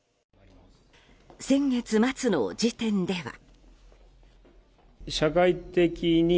先月末の時点では。